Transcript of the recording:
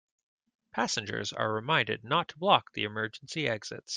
Passengers are reminded not to block the emergency exits.